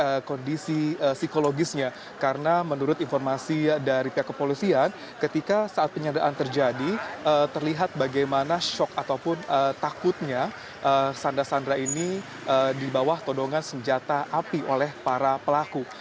dan ini adalah informasi yang sangat berbeda dari informasi psikologisnya karena menurut informasi dari pihak kepolisian ketika saat penyanderaan terjadi terlihat bagaimana shock ataupun takutnya sandra sandra ini dibawah todongan senjata api oleh para pelaku